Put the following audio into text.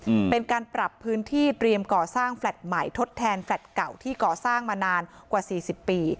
อืมเป็นการปรับพื้นที่เตรียมก่อสร้างแฟลต์ใหม่ทดแทนแลตเก่าที่ก่อสร้างมานานกว่าสี่สิบปี